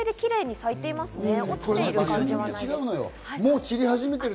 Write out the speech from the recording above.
満開でキレイに咲いていますね。